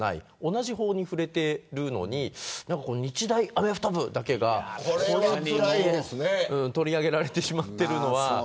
同じ法に触れているのに日大アメフト部だけが取り上げられてしまっている。